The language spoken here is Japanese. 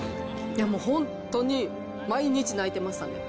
本当に、毎日泣いてましたね。